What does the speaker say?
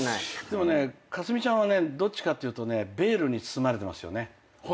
でもね架純ちゃんはねどっちかっていうとねベールに包まれてますよね。